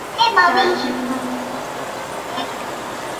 নতুবা তোর এক্সিডেন্ট হয়ে গেলো!